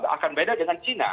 akan beda dengan cina